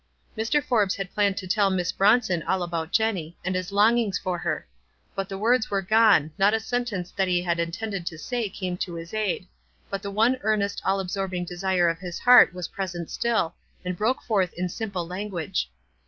Mr. Forbes had planned to tell Miss Bronson all about Jenny, and his longings for her ; but the words were gone, not a sentence that he had intended to say came to his aid ; but the one earnest, all absorbing desire of his heart w T as present still, and broke forth in simple lan guage.